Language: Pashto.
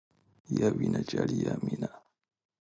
یا وینه ژاړي، یا مینه.